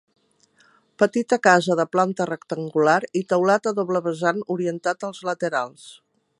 Petita casa de planta rectangular i teulat a doble vessant orientat als laterals.